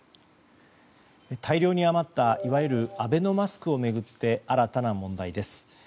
大量に余ったいわゆるアベノマスクを巡って新たな問題です。